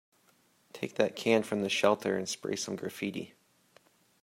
Take that can from the shelter and spray some graffiti.